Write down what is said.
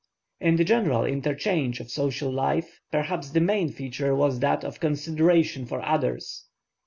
In the general interchange of social life perhaps the main feature was that of consideration for others.